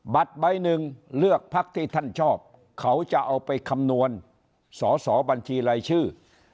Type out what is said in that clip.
ใบหนึ่งเลือกพักที่ท่านชอบเขาจะเอาไปคำนวณสอสอบัญชีรายชื่อ